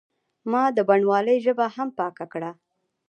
ما د بڼوالۍ ژبه هم پاکه کړه.